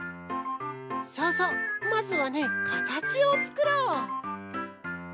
そうそうまずはねかたちをつくろう。